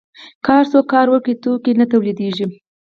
که هر څوک هر کار وکړي توکي نه تولیدیږي.